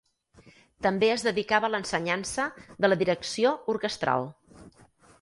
També es dedicava a l'ensenyança de la direcció orquestral.